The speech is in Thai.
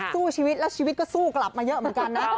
สู้ชีวิตแล้วชีวิตก็สู้กลับมาเยอะเหมือนกันนะ